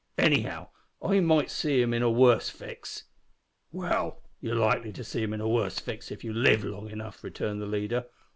Anyhow, I might see 'im in a worse fix." "Well, you're like to see him in a worse fix if you live long enough," returned the leader.